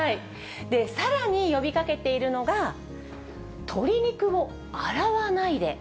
さらに呼びかけているのが、鶏肉を洗わないで！